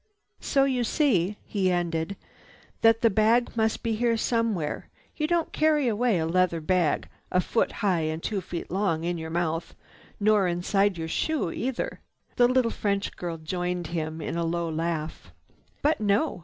"So you see," he ended, "that the bag must be here somewhere. You don't carry away a leather bag a foot high and two feet long in your mouth, nor inside your shoe either." The little French girl joined him in a low laugh. "But no!"